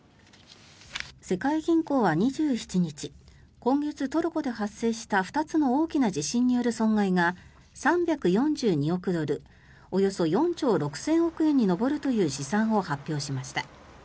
世界銀行は２７日今月トルコで発生した２つの大きな地震による損害が３４２億ドルおよそ４兆６０００億円に上るという試算を発表しました。